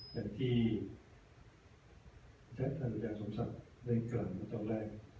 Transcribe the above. แต่ที่ท่านอุตสัยสมศัพท์ได้กลับมาตอนแรก